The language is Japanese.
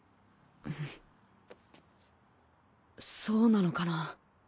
そうなのかな。